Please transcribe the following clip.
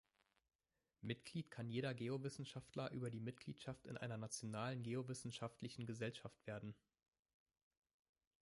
Mitglied kann jeder Geowissenschaftler über die Mitgliedschaft in einer nationalen geowissenschaftlichen Gesellschaft werden.